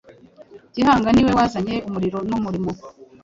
Gihanga niwe wazanye umuriro n’umurimo,